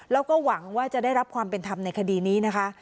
แล้วก็หวังว่าจะได้รับความเป็นธรรมในคดีนี้นะคะ